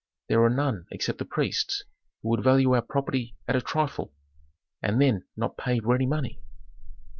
There are none except the priests, who would value our property at a trifle, and then not pay ready money."